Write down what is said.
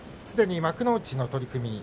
すでに幕内の取組